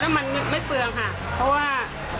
มันนึกไม่เปลืองค่ะเพราะว่า